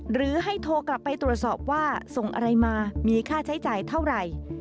หรือให้โทรกลับไปตรวจสอบว่าส่งอะไรมามีค่าใช้จ่ายเท่าไหร่